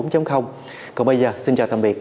còn bây giờ xin chào tạm biệt